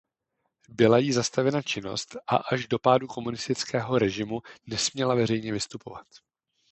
Byla jí zastavena činnost a až do pádu komunistického režimu nesměla veřejně vystupovat.